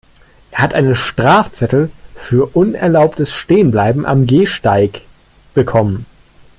Er hat einen Strafzettel für unerlaubtes Stehenbleiben am Gehsteig bekommen.